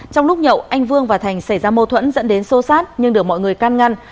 trong lúc nhậu anh vương và thành xảy ra mâu thuẫn dẫn đến xô xát nhưng được mọi người can ngăn